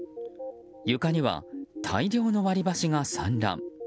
床には大量の割り箸が散乱。